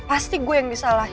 pasti gue yang disalahin